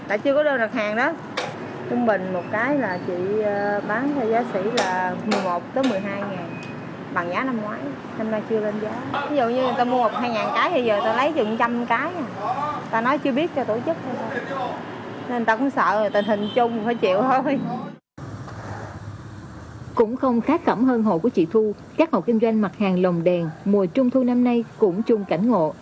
vì như rõ ràng chỉ làm được một cái đoàn đồ là hết